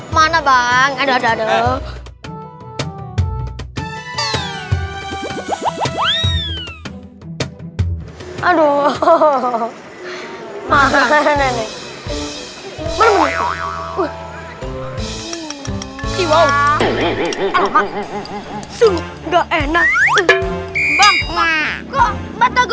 mana bang ada ada